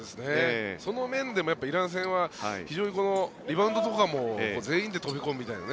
その面でもイラン戦はリバウンドとかも全員で飛び込むみたいな